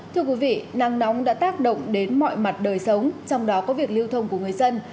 thưa quý vị nắng nóng đã tác động đến mọi mặt đời sống trong đó có việc lưu thông của người dân